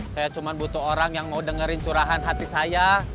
saya cuma butuh orang yang mau dengerin curahan hati saya